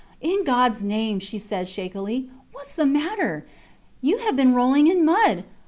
In Gods name, she said, shakily, whats the matter? You have been rolling in mud.